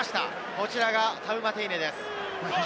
こちらがタウマテイネです。